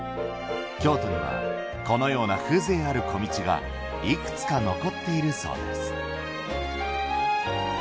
京都にはこのような風情ある小道がいくつか残っているそうです。